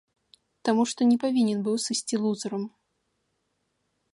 Таму што не павінен быў сысці лузэрам.